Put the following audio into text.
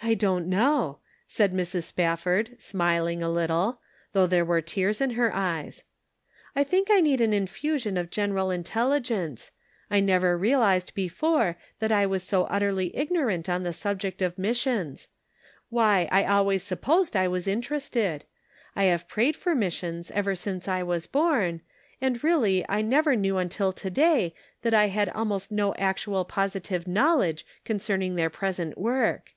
" I don't know," said Mrs. Spafford, smiling Perfect Love Casteth out Fear. 199 a little, though there were tears in her eyes ;" I think I need an infusion of general intelli gence. I never realized before that I was so utterly ignorant on the subject of missions. Why, I always supposed I was interested. I have prayed for missions ever since I was born, and really I never knew until to day, that I had almost no actual positive knowledge concerning their present work."